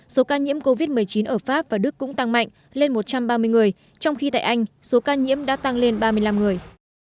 số ca nhiễm covid một mươi chín ở pháp và đức cũng tăng mạnh lên một trăm ba mươi người trong khi tại anh số ca nhiễm đã tăng lên ba mươi năm người